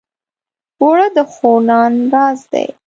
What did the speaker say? اوړه د ښو نان راز دی